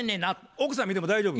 奥さん見ても大丈夫。